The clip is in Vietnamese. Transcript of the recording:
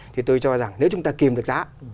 thì tôi cho rằng nếu chúng ta kìm được giá